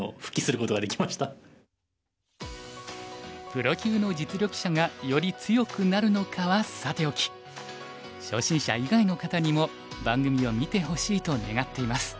プロ級の実力者がより強くなるのかはさておき初心者以外の方にも番組を見てほしいと願っています。